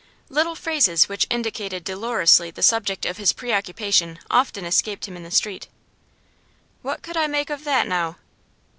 Little phrases which indicated dolorously the subject of his preoccupation often escaped him in the street: 'What could I make of that, now?